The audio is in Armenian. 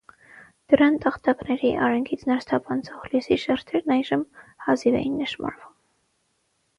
Դռան տախտակների արանքից ներս թափանցող լույսի շերտերն այժմ հազիվ էին նշմարվում: